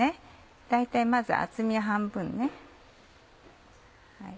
大体まず厚みは半分ね。